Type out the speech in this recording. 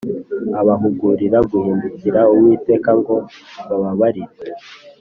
Abahugurira guhindukirira Uwiteka ngo bababarirwe